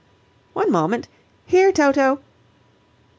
"One moment. Here, Toto!"